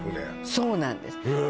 そうなんですへえ